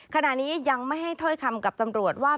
ขณะนี้ยังไม่ให้ถ้อยคำกับตำรวจว่า